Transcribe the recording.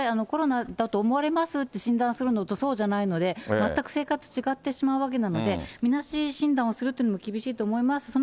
コロナだと思われますって診断するのとそうじゃないので、全く正確違ってしまうわけなので、みなし診断をするというのも厳しいと思います。